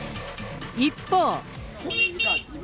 一方。